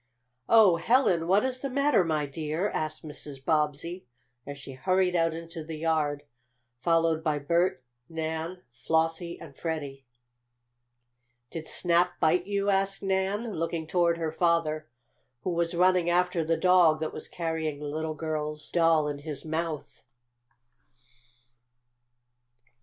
"Oh, Helen! What is the matter, my dear?" asked Mrs. Bobbsey, as she hurried out into the yard, followed by Bert, Nan, Flossie and Freddie. "Did Snap bite you?" asked Nan, looking toward her father, who was running after the dog that was carrying the little girl's doll in his mouth.